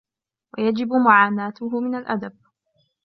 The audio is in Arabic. وَيَجِبُ مُعَانَاتُهُ مِنْ الْأَدَبِ